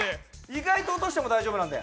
意外と落としても大丈夫なんで。